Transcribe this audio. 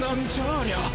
ありゃ。